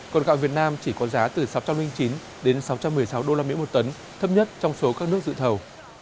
còn gạo việt nam chỉ có giá từ sáu trăm linh chín đến sáu trăm một mươi sáu usd một tấn thấp nhất trong số các nước dự thầu